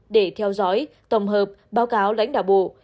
để theo dõi tổng hợp báo cáo lãnh đạo bộ